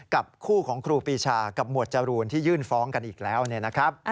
กับคู่ของครูปีชากับหมวดจรูนที่ยื่นฟ้องกันอีกแล้วเนี่ยนะครับ